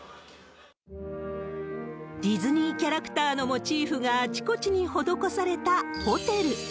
ディズニーキャラクターのモチーフがあちこちに施されたホテル。